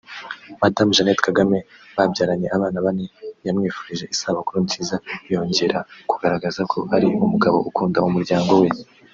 Madamu Jeannette Kagame babyaranye abana bane yamwifurije isabukuru nziza yongera kugaragaza ko ari umugabo ukunda umuryango we